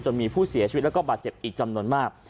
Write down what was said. มีผู้เสียชีวิตแล้วก็บาดเจ็บอีกจำนวนมาก